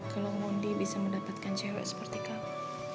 kalau mondi bisa mendapatkan cewek seperti kamu